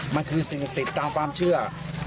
มันคือสินศิษย์ตามความเชื่อ